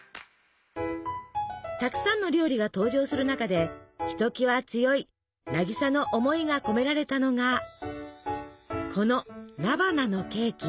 たくさんの料理が登場する中でひときわ強い渚の思いが込められたのがこの菜花のケーキ。